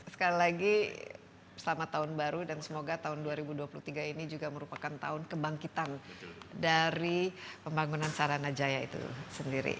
sekali lagi selamat tahun baru dan semoga tahun dua ribu dua puluh tiga ini juga merupakan tahun kebangkitan dari pembangunan saranajaya itu sendiri